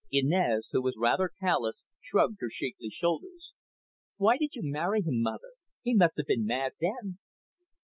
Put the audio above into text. Inez, who was rather callous, shrugged her shapely shoulders. "Why did you marry him, mother? He must have been mad then."